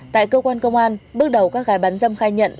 tại cơ quan công an bước đầu các gái bán dâm khai nhận